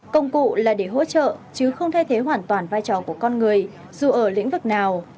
công cụ là để hỗ trợ chứ không thay thế hoàn toàn vai trò của con người dù ở lĩnh vực nào